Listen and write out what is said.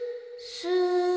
す！